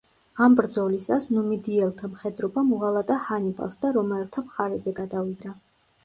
ამ ბრძოლისას ნუმიდიელთა მხედრობამ უღალატა ჰანიბალს და რომაელთა მხარეზე გადავიდა.